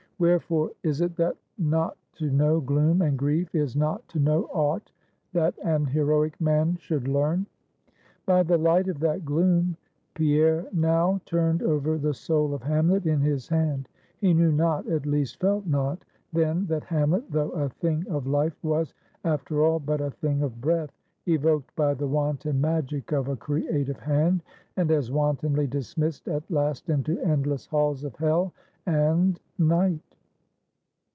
Wherefore is it, that not to know Gloom and Grief is not to know aught that an heroic man should learn? By the light of that gloom, Pierre now turned over the soul of Hamlet in his hand. He knew not at least, felt not then, that Hamlet, though a thing of life, was, after all, but a thing of breath, evoked by the wanton magic of a creative hand, and as wantonly dismissed at last into endless halls of hell and night.